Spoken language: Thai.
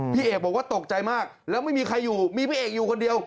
พี่เอกบอกว่าตกใจมากแล้วไม่มีใครอยู่มีพี่เอกอยู่คนเดียว